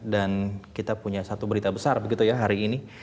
dan kita punya satu berita besar begitu ya hari ini